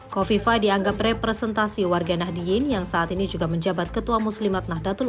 kofifa dianggap representasi warga nahdiyin yang saat ini juga menjabat ketua muslimat nahdlatul ulama